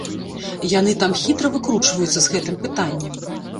Яны там хітра выкручваюцца з гэтым пытаннем.